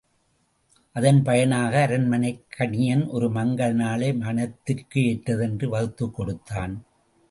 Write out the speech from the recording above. அதன் பயனாக அரண்மனைக் கணியன் ஒரு மங்கல நாளை மணத்திற்கு ஏற்றதென்று வகுத்துக் கொடுத்தான்.